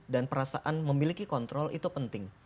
dan perasaan memiliki kontrol itu penting